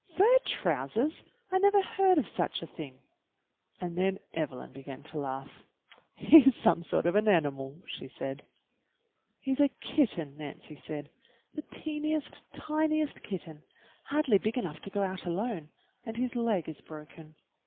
"Fur trousers! I never heard of such a thing." And then Evelyn began to laugh. "He's some sort of an animal," she said. "He's a kitten," Nancy said. "The teentiest, tiniest kitten, hardly big enough to go out alone, and his leg is broken.